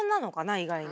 意外に。